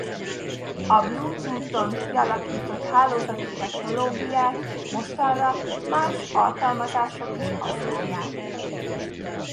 A Bluetoothon kialakított hálózati technológiát mostanra más alkalmazások is használják.